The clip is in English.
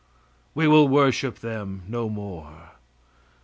We will worship them no more.